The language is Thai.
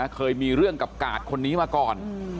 เคยมีเรื่องกับกาดคนนี้มาก่อน